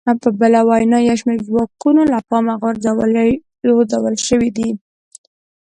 په بله وینا یو شمېر ځواکونه له پامه غورځول شوي دي